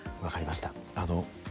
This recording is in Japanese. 分かりました。